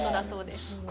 そうですね。